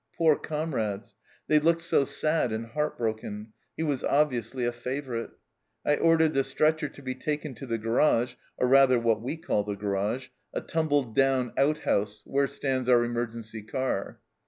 Poor comrades ! they looked so sad and heartbroken ; he was obviously a favourite. I ordered the stretcher to be taken to the garage or, rather, what we call the garage a tumbled down outhouse, where stands our emer gency car.